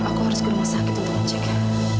aku harus ke rumah sakit untuk ngecek ya